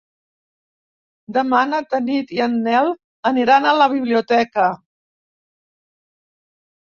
Demà na Tanit i en Nel aniran a la biblioteca.